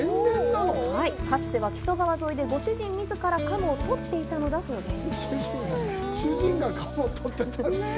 かつては木曽川沿いでご主人自ら鴨をとっていたのだそうです。